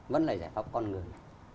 vẫn là giải pháp con người